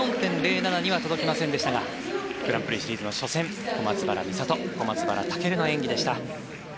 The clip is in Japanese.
１０４．０７には届きませんでしたがグランプリシリーズの初戦小松原美里・小松原尊の演技でした。